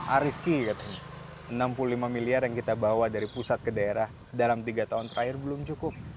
ariski enam puluh lima miliar yang kita bawa dari pusat ke daerah dalam tiga tahun terakhir belum cukup